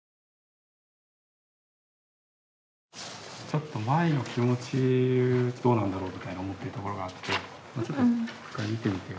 ちょっとまいの気持ちどうなんだろうみたいに思ってるところがあってちょっと一回見てみて。